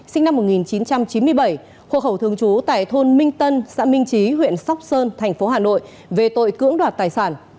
sinh năm một nghìn chín trăm chín mươi bảy hộ khẩu thường trú tại thôn minh tân xã minh trí huyện sóc sơn thành phố hà nội về tội cưỡng đoạt tài sản